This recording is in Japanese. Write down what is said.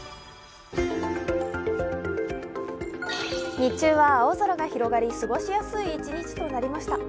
日中は青空が広がり、過ごしやすい１日となりました。